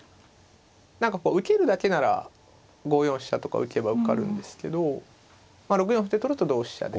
何かこう受けるだけなら５四飛車とか浮けば受かるんですけど６四歩って取ると同飛車で。